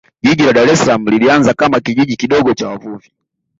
Jiji la Dar es Salaam lilianza kama Kijiji kidogo cha wavuvi